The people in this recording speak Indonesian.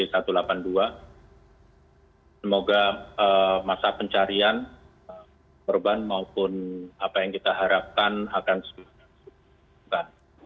semoga masa pencarian korban maupun apa yang kita harapkan akan segera